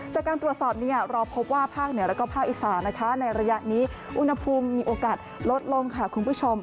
จากการตรวจสอบเราพบว่าภาคเหนือและภาคอีสานนะคะในระยะนี้อุณหภูมิมีโอกาสลดลงค่ะคุณผู้ชม